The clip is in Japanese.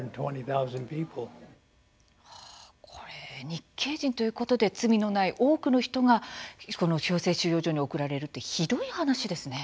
日系人ということで罪のない多くの人がこの強制収容所に送られるってひどい話ですね。